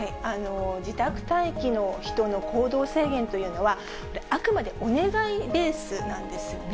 自宅待機の人の行動制限というのは、あくまでお願いベースなんですよね。